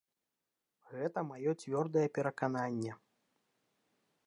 Гэта маё цвёрдае перакананне.